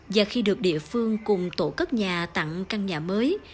và khi được địa phương cùng tổ cất nhà tặng căn nhà mới